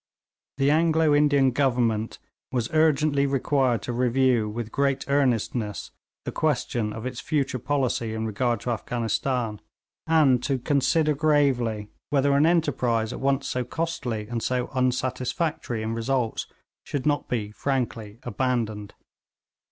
The Anglo Indian Government was urgently required to review with great earnestness the question of its future policy in regard to Afghanistan, and to consider gravely whether an enterprise at once so costly and so unsatisfactory in results should not be frankly abandoned.